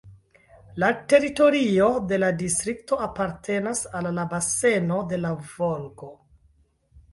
La teritorio de la distrikto apartenas al la baseno de la Volgo.